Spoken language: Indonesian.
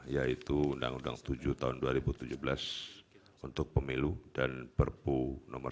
yaitu undang undang tujuh tahun dua ribu tujuh belas untuk pemilu dan perpu nomor satu